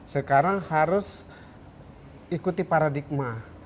sekarang harus ikuti paradigma